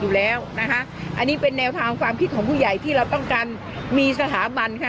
อยู่แล้วนะคะอันนี้เป็นแนวทางความคิดของผู้ใหญ่ที่เราต้องการมีสถาบันค่ะ